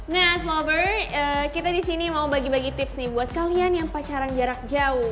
nah snover kita disini mau bagi bagi tips nih buat kalian yang pacaran jarak jauh